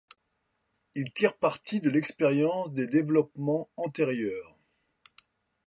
Ils tirent parti de l'expérience des développements antérieurs.